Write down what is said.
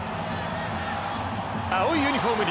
青いユニフォーム